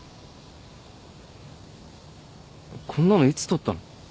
こんなのいつ撮ったの？